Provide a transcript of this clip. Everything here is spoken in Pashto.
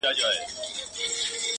خپل خو به خپل وي بېګانه به ستا وي!